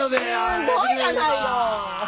すごいやないの！